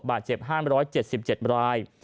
บาดเจ็บ๕๗๗ราย